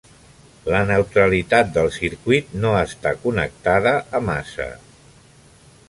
La neutralitat del circuit no està connectada a massa.